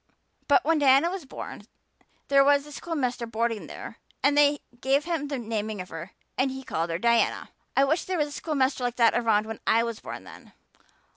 But when Diana was born there was a schoolmaster boarding there and they gave him the naming of her and he called her Diana." "I wish there had been a schoolmaster like that around when I was born, then.